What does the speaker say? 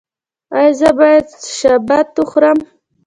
ایا زه باید شبت وخورم؟